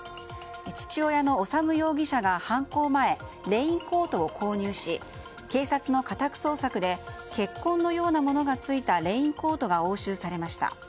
父親の修容疑者が犯行前レインコートを購入し警察の家宅捜索で血痕のようなものがついたレインコートが押収されました。